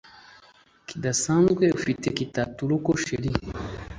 kidasanzwe ufite kitaturuko chr